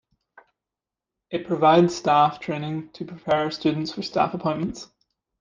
It provides staff training to prepare students for staff appointments.